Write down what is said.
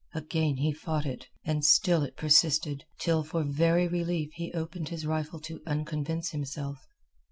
Again he fought it, and still it persisted, till for very relief he opened his rifle to unconvince himself.